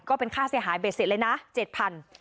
ก็เป็นค่าเสียหายเบสเศษเลยนะ๗๐๐๐บาท